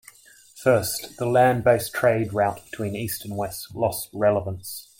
First, the land based trade route between east and west lost relevance.